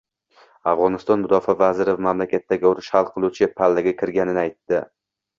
Afg‘oniston mudofaa vaziri mamlakatdagi urush hal qiluvchi pallaga kirganini aytdi